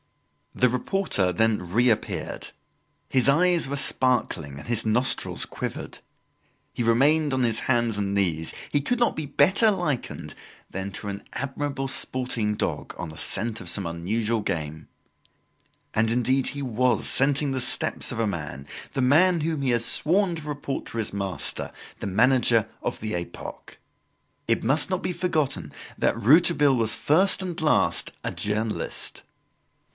The reporter then reappeared. His eyes were sparkling and his nostrils quivered. He remained on his hands and knees. He could not be better likened than to an admirable sporting dog on the scent of some unusual game. And, indeed, he was scenting the steps of a man, the man whom he has sworn to report to his master, the manager of the "Epoque." It must not be forgotten that Rouletabille was first and last a journalist.